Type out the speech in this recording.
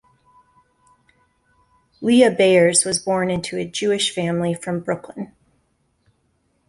Lea Bayers was born into a Jewish family from Brooklyn.